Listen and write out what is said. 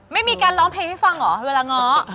ไม่มีการร้องเพลงให้ฟังเหรอเวลาง้อ